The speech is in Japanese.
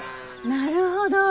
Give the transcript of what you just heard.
なるほど。